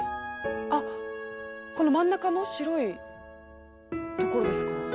あっこの真ん中の白いところですか？